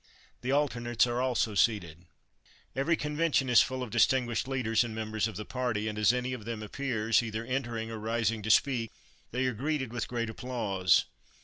The alternates are also seated. Every convention is full of distinguished leaders and members of the party, and as any of them appears, either entering or rising to speak, they are greeted with great applause.